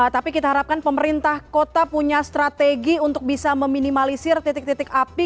tapi kita harapkan pemerintah kota punya strategi untuk bisa meminimalisir titik titik api